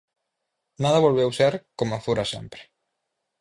Nada volveu ser como fora sempre.